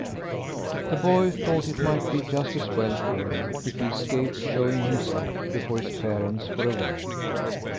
The boy thought it might be just as well for him if he escaped showing himself before his parents for a while.